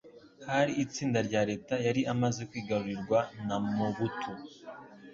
hari itsinda rya Leta yari imaze kwigarurirwa na Mobutu